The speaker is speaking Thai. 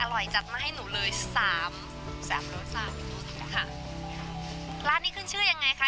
อร่อยจัดมาให้หนูเลยสามสามรสชาติค่ะร้านนี้ขึ้นชื่อยังไงคะ